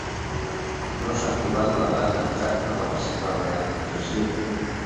No s'ha trobat la data exacta de la seva realització.